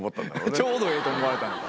ちょうどええと思われたのか。